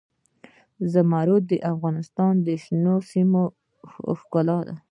زمرد د افغانستان د شنو سیمو ښکلا ده.